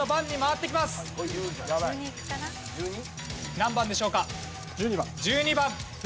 何番でしょうか？